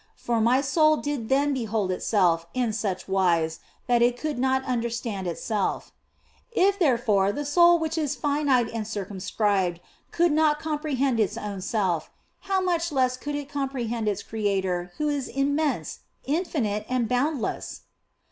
For my soul did then behold itself in such wise that it could not under stand itself. If, therefore, the soul which is finite and circumscribed could not comprehend its own self, how much less could it comprehend its Creator who is im mense, infinite, and boundless